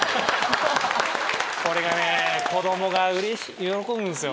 これがね子供が喜ぶんですよ